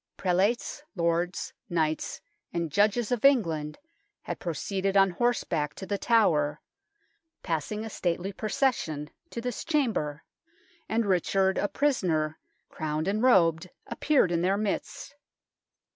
Prelates, lords, knights, and judges of Eng land had proceeded on horseback to The Tower, passing, a stately procession, to this chamber, and Richard, a prisoner, crowned and robed, appeared in their midst.